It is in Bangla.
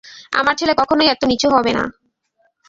আমার ছেলে কখনই এত নিচু হবে না!